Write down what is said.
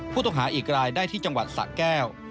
ผู้ต้องหาอีกรายได้ที่จังหวัดสะแก้ว